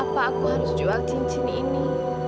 apa aku harus jual cincin ini